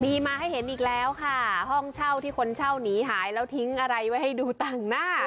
มีมาให้เห็นอีกแล้วค่ะห้องเช่าที่คนเช่าหนีหายแล้วทิ้งอะไรไว้ให้ดูต่างหน้า